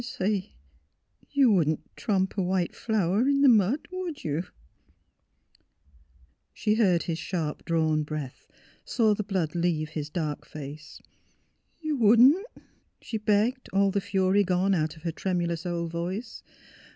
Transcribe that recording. Say — you wouldn't tromp a white flower in th' mud, would you? " GRANDMA ORNE SPEAKS HER MIND 215 She heard his sharp drawn breath; saw the blood leave his dark face. '' You wouldn 't ?" she begged, all the fury gone out of her tremulous old voice.